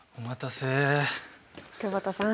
久保田さん